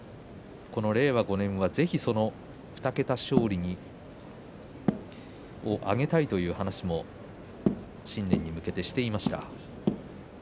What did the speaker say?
令和５年はぜひ、その２桁勝利を挙げたいという話をしていました。